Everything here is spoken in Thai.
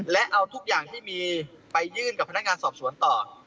และเอาทุกอย่างที่มีไปยื่นกับพนักงานสอบสวนต่อ